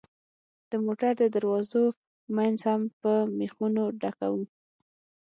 د موټر د دروازو منځ هم په مېخونو ډکوو.